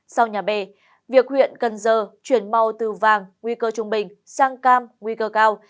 sau nhà bề việc huyện cần giờ chuyển màu từ vàng nguy cơ trung bình sang cam nguy cơ cao